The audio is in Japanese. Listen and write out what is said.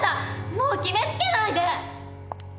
もう決めつけないで！